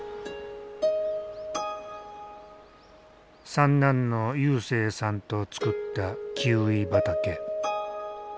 三男の勇征さんと作ったキウイ畑。